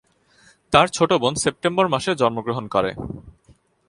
তার ছোট বোন সেপ্টেম্বর মাসে জন্মগ্রহণ করে।